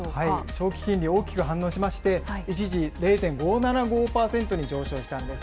長期金利、大きく反応しまして、一時０．５７５％に上昇したんです。